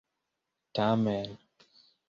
Tamen.